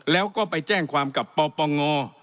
แล้วก็ไปแจ้งความกับปปง